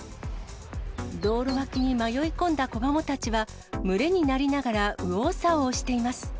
道路脇に迷い込んだ子ガモたちは群れになりながら右往左往しています。